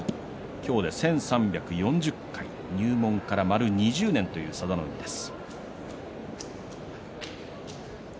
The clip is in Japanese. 今日で１３４０回入門から丸２０年という佐田の海です。